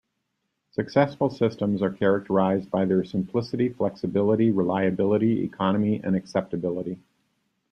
Successful systems are characterized by their simplicity, flexibility, reliability, economy, and acceptability.